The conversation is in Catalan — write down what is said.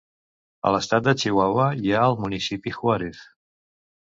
A l'estat de Chihuahua hi ha el municipi Juárez.